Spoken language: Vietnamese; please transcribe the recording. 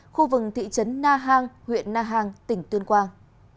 khu vực thị trấn na hàng huyện na hàng tỉnh tuyên quang